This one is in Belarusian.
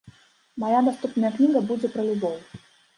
Мая наступная кніга будзе пра любоў.